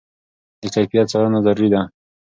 د کیفیت څارنه ضروري ده.